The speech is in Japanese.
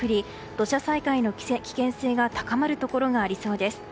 土砂災害の危険性が高まるところがありそうです。